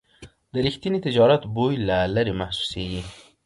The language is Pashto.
د رښتیني تجارت بوی له لرې محسوسېږي.